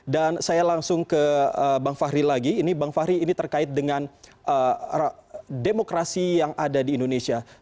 dan saya langsung ke bang fahri lagi ini bang fahri ini terkait dengan demokrasi yang ada di indonesia